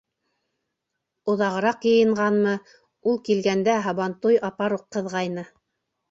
Оҙағыраҡ йыйынғанмы - ул килгәндә һабантуй апаруҡ ҡыҙғайны.